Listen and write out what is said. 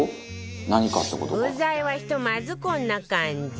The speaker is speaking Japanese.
具材はひとまずこんな感じ